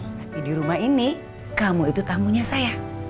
tapi di rumah ini kamu itu tamunya saya